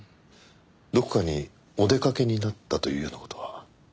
どこかにお出かけになったというような事は？